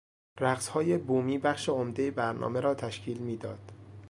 رقصهای بومی بخش عمده برنامه را تشکیل میداد.